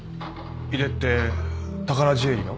井出って宝ジュエリーの？